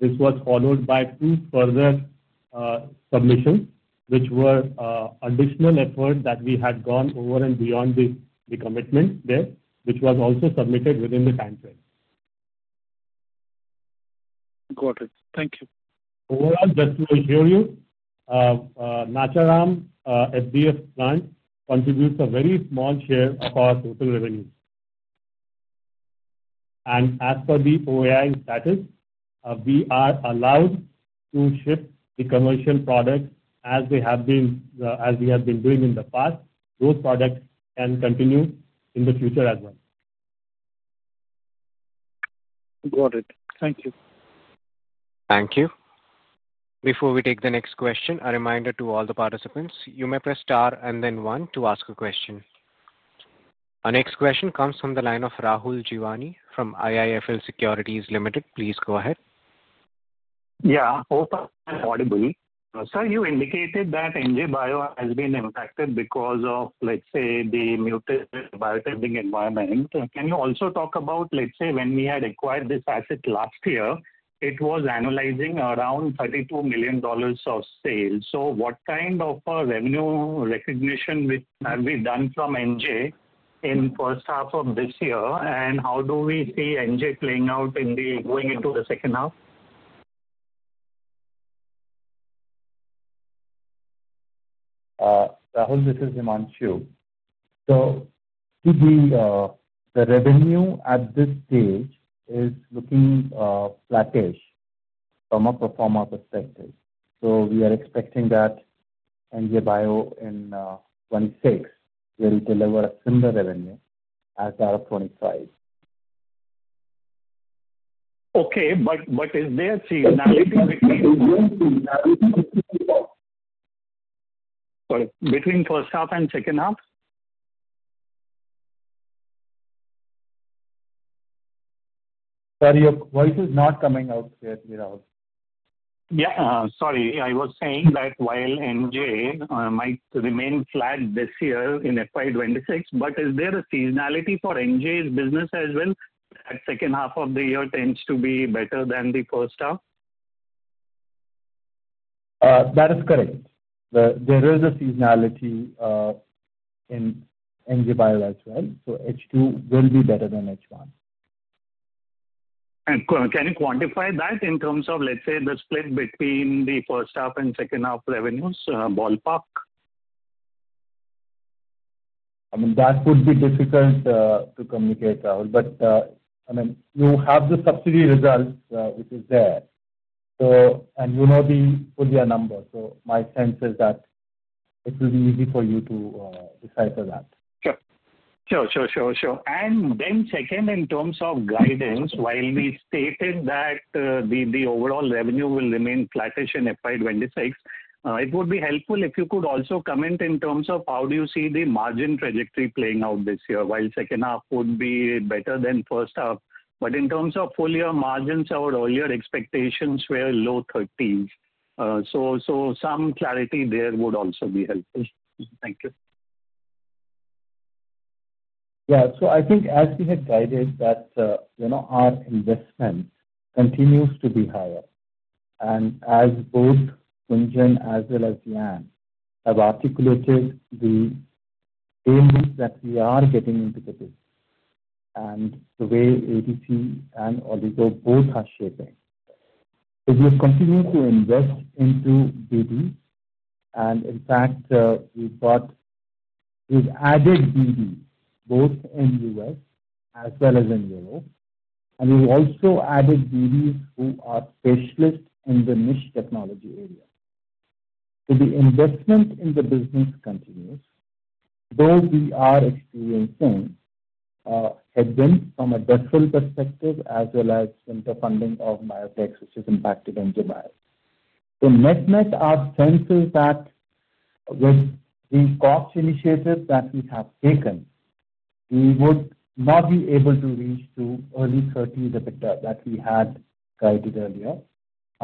This was followed by two further submissions, which were additional efforts that we had gone over and beyond the commitment there, which was also submitted within the timeframe. Got it. Thank you. Overall, just to hear you, Nacharam FDF plant contributes a very small share of our total revenue. As for the OEB status, we are allowed to ship the commercial products as we have been doing in the past. Those products can continue in the future as well. Got it. Thank you. Thank you. Before we take the next question, a reminder to all the participants, you may press star and then one to ask a question. Our next question comes from the line of Rahul Jivani from IIFL Securities Limited. Please go ahead. Yeah. Hope I'm audible. You indicated that NJ Bio has been impacted because of, let's say, the mutated biotech environment. Can you also talk about, let's say, when we had acquired this asset last year, it was analyzing around $32 million of sales. What kind of revenue recognition have we done from NJ in the first half of this year, and how do we see NJ playing out in going into the second half? Rahul, this is Himanshu. The revenue at this stage is looking flattish from a performer perspective. We are expecting that NJ Bio in 2026 will deliver a similar revenue as our 2025. Okay. Is there a change between first half and second half? Sorry, your voice is not coming out clearly, Rahul. Yeah. Sorry. I was saying that while NJ might remain flat this year in FY 2026, but is there a seasonality for NJ's business as well? That second half of the year tends to be better than the first half. That is correct. There is a seasonality in NJ Bio as well. So H2 will be better than H1. Can you quantify that in terms of, let's say, the split between the first half and second half revenues, ballpark? I mean, that would be difficult to communicate, Rahul. I mean, you have the subsidy results which is there. And you know the full year number. My sense is that it will be easy for you to decipher that. Sure. And then second, in terms of guidance, while we stated that the overall revenue will remain flattish in FY 2026, it would be helpful if you could also comment in terms of how do you see the margin trajectory playing out this year while second half would be better than first half. In terms of full year margins, our earlier expectations were low 30s. Some clarity there would also be helpful. Thank you. Yeah. I think as we had guided that our investment continues to be higher. As both Gunjan and as well as Yann have articulated, the aim that we are getting into the business and the way ADC and oligo both are shaping, if we continue to invest into BD, and in fact, we have added BDs both in the U.S. as well as in Europe, and we have also added BDs who are specialists in the niche technology area. The investment in the business continues, though we are experiencing headwinds from a DEFRI perspective as well as the funding of biotechs, which has impacted NJ Bio. Net-net our sense is that with the COPS initiative that we have taken, we would not be able to reach to early 30s EBITDA that we had guided earlier.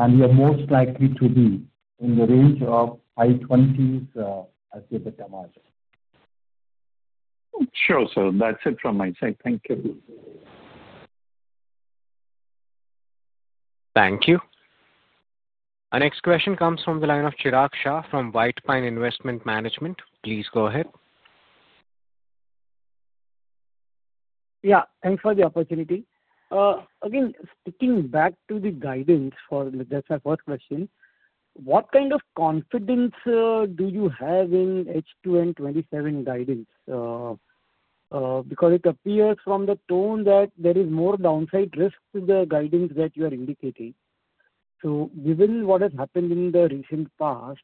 We are most likely to be in the range of high 20s as the EBITDA margin. Sure. So that's it from my side. Thank you. Thank you. Our next question comes from the line of Chirag Shah from White Pine Investment Management. Please go ahead. Yeah. Thanks for the opportunity. Again, sticking back to the guidance for the first question, what kind of confidence do you have in H2 and 2027 guidance? Because it appears from the tone that there is more downside risk to the guidance that you are indicating. Given what has happened in the recent past,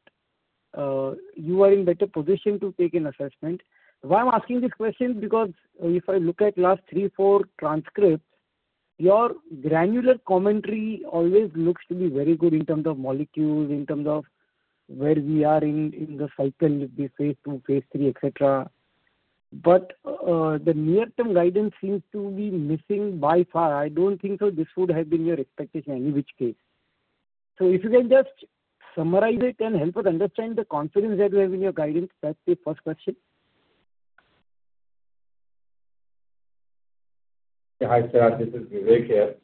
you are in a better position to take an assessment. Why I'm asking this question? If I look at the last three, four transcripts, your granular commentary always looks to be very good in terms of molecules, in terms of where we are in the cycle, the phase two, phase three, etc. The near-term guidance seems to be missing by far. I don't think this would have been your expectation in which case. If you can just summarize it and help us understand the confidence that you have in your guidance, that's the first question. Hi, Sir. This is Vivek here.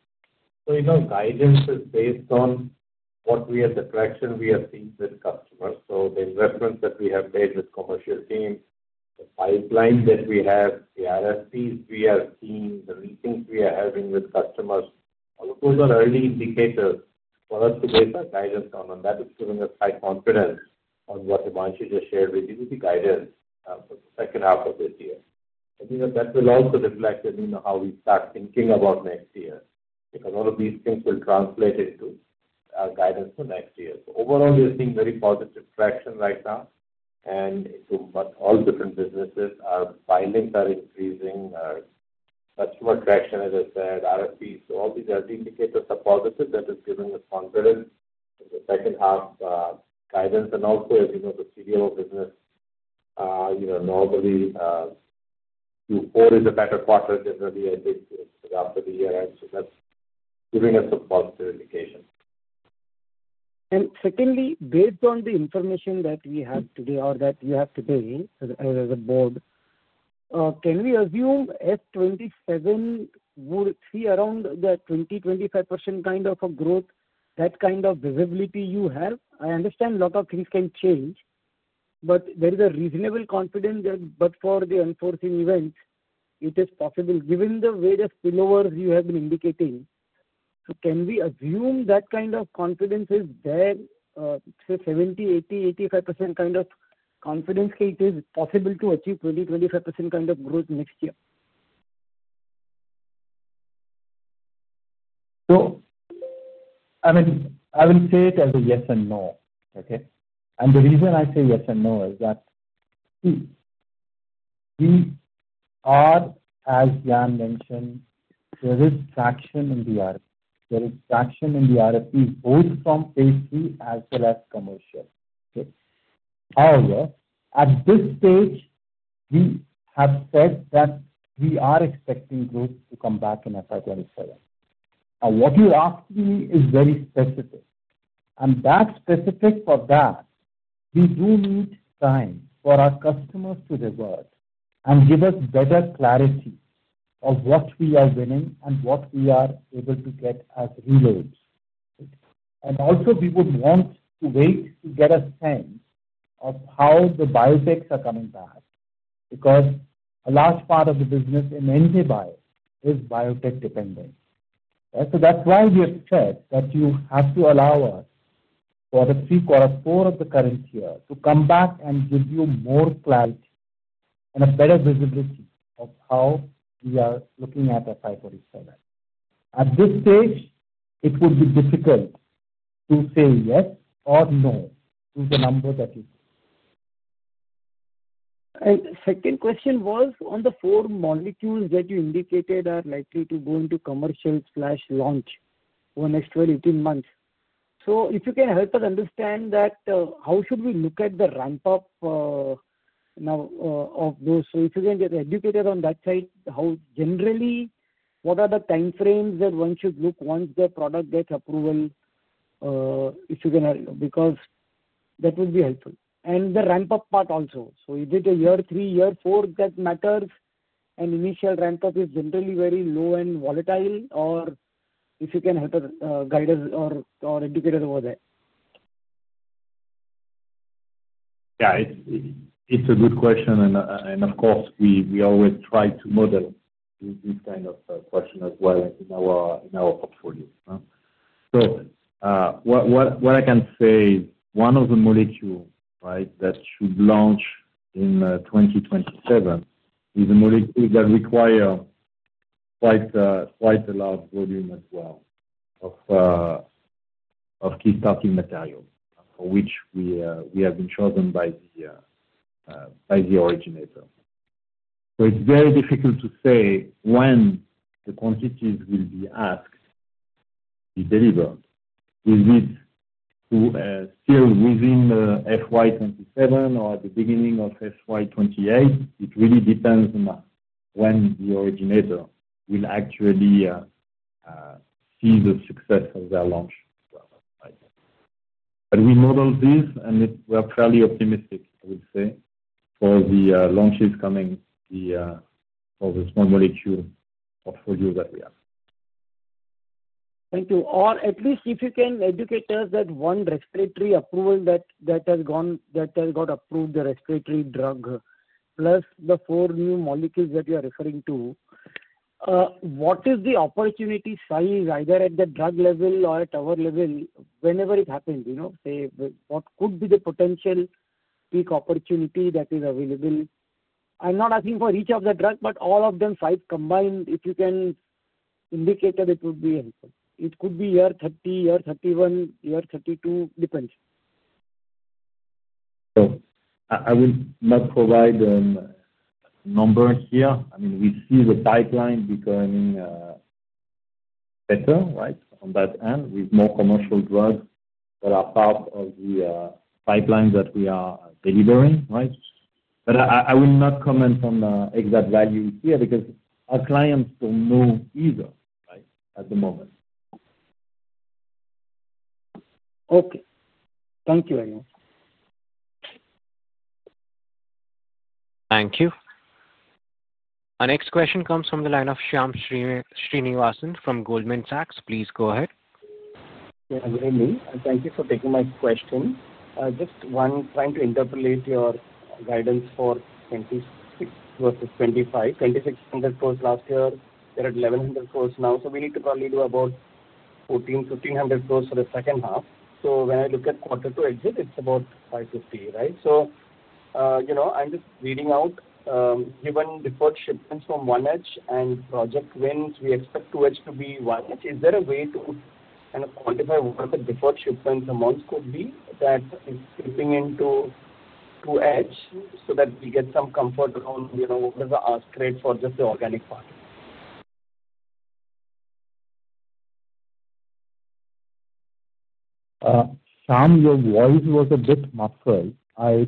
Guidance is based on what we have, the traction we have seen with customers. The investments that we have made with the commercial team, the pipeline that we have, the RFPs we are seeing, the meetings we are having with customers, all of those are early indicators for us to base our guidance on. That is giving us high confidence on what Himanshu just shared with you with the guidance for the second half of this year. I think that will also reflect in how we start thinking about next year because all of these things will translate into our guidance for next year. Overall, we are seeing very positive traction right now. All different businesses, our filings are increasing, our customer traction, as I said, RFPs, all these indicators are positive. That is giving us confidence in the second half guidance. Also, as you know, the CDMO business, normally Q4 is a better quarter generally after the year. That is giving us a positive indication. Secondly, based on the information that we have today or that you have today as a board, can we assume fiscal 2027 would see around the 20-25% kind of growth, that kind of visibility you have? I understand a lot of things can change, but there is a reasonable confidence that for the unforeseen events, it is possible given the way the spillovers you have been indicating. Can we assume that kind of confidence is there, say, 70-80-85% kind of confidence that it is possible to achieve 20-25% kind of growth next year? I mean, I will say it as a yes and no, okay? The reason I say yes and no is that we are, as Yann mentioned, there is traction in the RFP. There is traction in the RFPs both from phase three as well as commercial, okay? However, at this stage, we have said that we are expecting growth to come back in FY2027. Now, what you asked me is very specific. That specific, for that, we do need time for our customers to revert and give us better clarity of what we are winning and what we are able to get as rewards. Also, we would want to wait to get a sense of how the biotechs are coming back because a large part of the business in NJ Bio is biotech-dependent. That's why we have said that you have to allow us for the three quarters, four of the current year to come back and give you more clarity and a better visibility of how we are looking at FY 2027. At this stage, it would be difficult to say yes or no to the number that you give. The second question was on the four molecules that you indicated are likely to go into commercial or launch over the next 12-18 months. If you can help us understand that, how should we look at the ramp-up now of those? If you can get educated on that side, generally, what are the time frames that one should look once the product gets approval? That would be helpful. The ramp-up part also. Is it a year three, year four that matters? Initial ramp-up is generally very low and volatile, or if you can help guide us or educate us over there. Yeah. It's a good question. Of course, we always try to model these kinds of questions as well in our portfolio. What I can say is one of the molecules, right, that should launch in 2027 is a molecule that requires quite a large volume as well of key starting material for which we have been chosen by the originator. It's very difficult to say when the quantities will be asked to be delivered. Is it still within FY 2027 or at the beginning of FY 2028? It really depends on when the originator will actually see the success of their launch. We modeled this, and we are fairly optimistic, I would say, for the launches coming for the small molecule portfolio that we have. Thank you. Or at least if you can educate us, that one respiratory approval that has got approved, the respiratory drug, plus the four new molecules that you are referring to, what is the opportunity size, either at the drug level or at our level, whenever it happens? Say what could be the potential peak opportunity that is available? I'm not asking for each of the drugs, but all of them combined, if you can indicate that it would be helpful. It could be year 2030, year 2031, year 2032, depends. I will not provide numbers here. I mean, we see the pipeline becoming better, right, on that end with more commercial drugs that are part of the pipeline that we are delivering, right? I will not comment on the exact value here because our clients do not know either, right, at the moment. Okay. Thank you, Aiman. Thank you. Our next question comes from the line of Shyam Srinivasan from Goldman Sachs. Please go ahead. Thank you for taking my question. Just one, trying to interpolate your guidance for 2026 versus 2025. 2,600 crore last year. They're at 1,100 crore now. So we need to probably do about 1,400-1,500 crore for the second half. When I look at quarter two exit, it's about 550 crore, right? I'm just reading out. Given deferred shipments from one H and project wins, we expect two H to be one H. Is there a way to kind of quantify what the deferred shipment amounts could be that is slipping into two H so that we get some comfort around what is our straight for just the organic part? Shyam, your voice was a bit muffled. I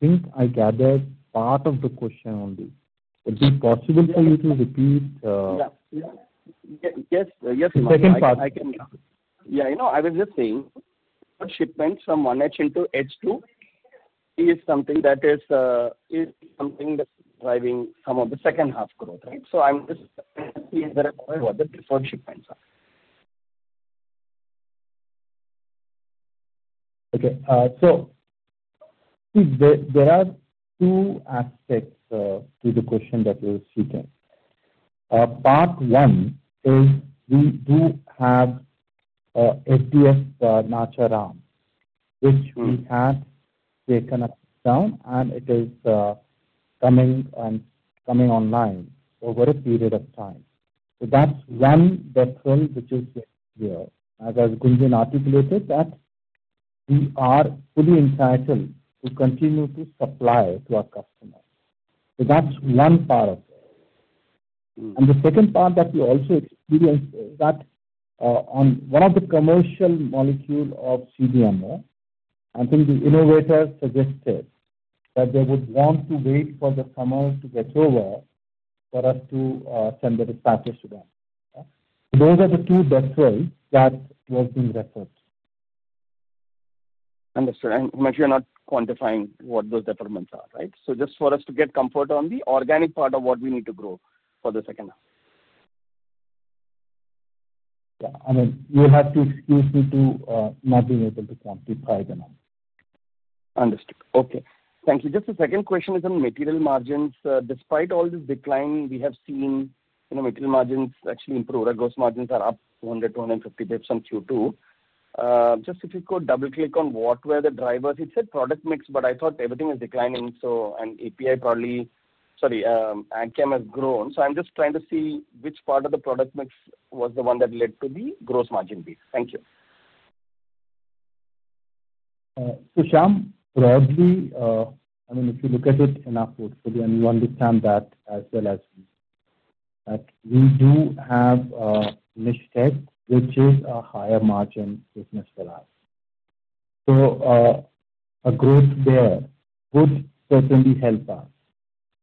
think I gathered part of the question only. Would it be possible for you to repeat? Yes. The second part. Yeah. I was just saying shipments from one edge into edge two is something that is something that's driving some of the second half growth, right? I am just seeing where the deferred shipments are. Okay. There are two aspects to the question that you're seeking. Part one is we do have FDF March around, which we had taken down, and it is coming online over a period of time. That's one DEFRI which is here. As Gunjan articulated, we are fully entitled to continue to supply to our customers. That's one part of it. The second part that we also experience is that on one of the commercial molecules of CDMO, I think the innovator suggested that they would want to wait for the summer to get over for us to send the dispatches to them. Those are the two DEFRIs that were being referred to. Understood. Himanshu, you're not quantifying what those DEFRIs are, right? Just for us to get comfort on the organic part of what we need to grow for the second half. Yeah. I mean, you have to excuse me for not being able to quantify them all. Understood. Okay. Thank you. Just the second question is on material margins. Despite all this decline, we have seen material margins actually improve. Gross margins are up 200 to 150 basis points on Q2. Just if you could double-click on what were the drivers. It said product mix, but I thought everything is declining. API probably, sorry, AGCAM has grown. I am just trying to see which part of the product mix was the one that led to the gross margin beat. Thank you. Shyam, broadly, I mean, if you look at it in our portfolio, and you understand that as well as me, that we do have Nishtec, which is a higher margin business for us. A growth there would certainly help us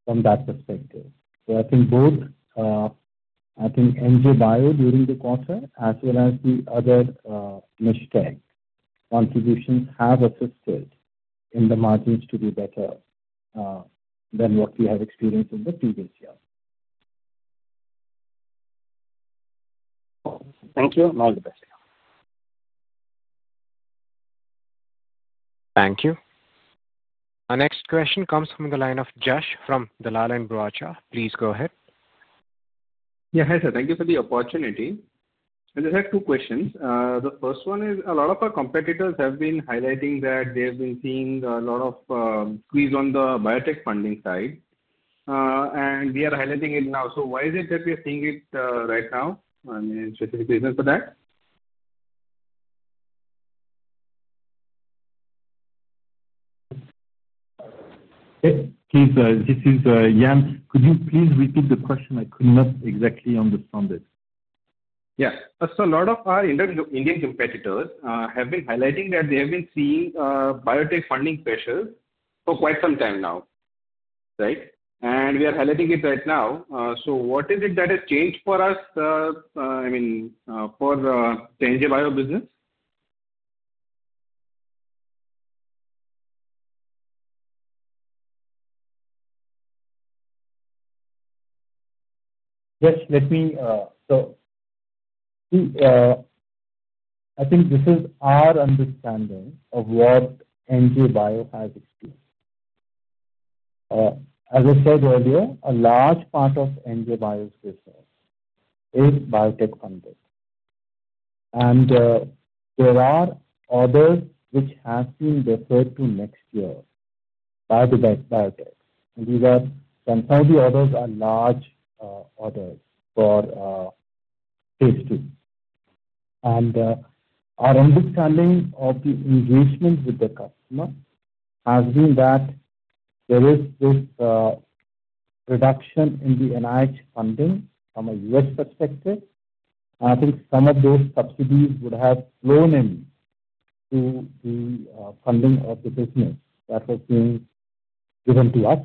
from that perspective. I think both, I think NJ Bio during the quarter as well as the other Nishtec contributions have assisted in the margins to be better than what we have experienced in the previous year. Thank you. All the best. Thank you. Our next question comes from the line of Jash from Dalal & Broacha. Please go ahead. Yeah. Hi, sir. Thank you for the opportunity. I just have two questions. The first one is a lot of our competitors have been highlighting that they have been seeing a lot of squeeze on the biotech funding side. And we are highlighting it now. Why is it that we are seeing it right now? I mean, specific reason for that? This is Yann. Could you please repeat the question? I could not exactly understand it. Yeah. A lot of our Indian competitors have been highlighting that they have been seeing biotech funding pressures for quite some time now, right? We are highlighting it right now. What is it that has changed for us, I mean, for the NJ Bio business? Yes. I think this is our understanding of what NJ Bio has experienced. As I said earlier, a large part of NJ Bio's resource is biotech funded. There are others which have been referred to next year by the biotech. Some of the others are large others for phase two. Our understanding of the engagement with the customer has been that there is this reduction in the NIH funding from a U.S. perspective. I think some of those subsidies would have flown into the funding of the business that was being given to us.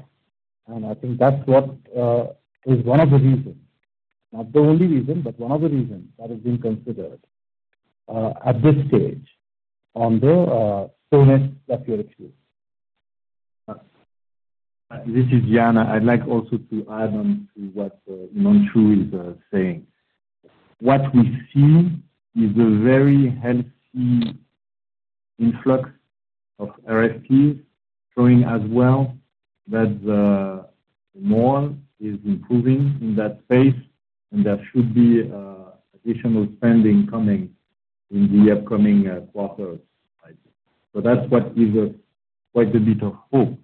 I think that is one of the reasons. Not the only reason, but one of the reasons that is being considered at this stage on the payments that we are experiencing. This is Yann. I'd like also to add on to what Himanshu is saying. What we see is a very healthy influx of RFPs showing as well that the mall is improving in that space, and there should be additional spending coming in the upcoming quarters. That is what gives us quite a bit of hope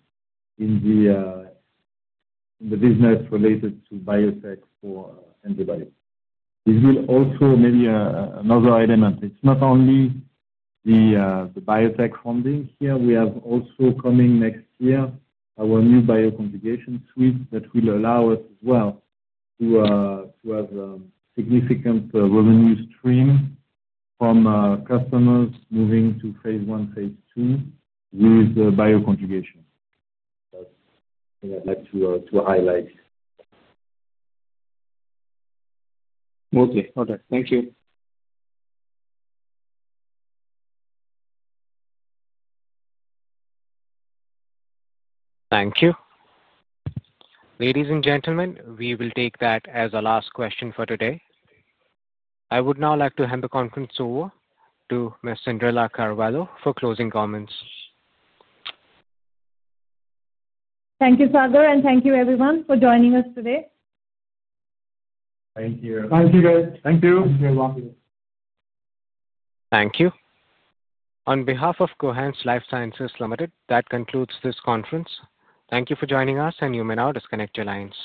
in the business related to biotech for NJ Bio. This will also maybe another element. It is not only the biotech funding here. We have also coming next year our new bioconjugation suite that will allow us as well to have a significant revenue stream from customers moving to phase one, phase two with bioconjugation. That is what I would like to highlight. Okay. Okay. Thank you. Thank you. Ladies and gentlemen, we will take that as the last question for today. I would now like to hand the conference over to Ms. Cyndrella Carvalho for closing comments. Thank you, Sagar, and thank you, everyone, for joining us today. Thank you. Thank you, guys. Thank you. Thank you. Thank you. On behalf of Cohance Lifesciences Limited, that concludes this conference. Thank you for joining us, and you may now disconnect your lines.